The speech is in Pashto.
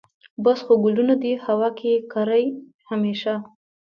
بس خو ګلونه دي هوا کې یې کرې همیشه